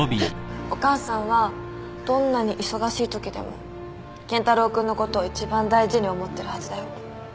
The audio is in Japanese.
お母さんはどんなに忙しいときでも健太郎君のことを一番大事に思ってるはずだよ。